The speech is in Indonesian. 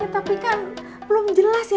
tapi kan belum jelas ya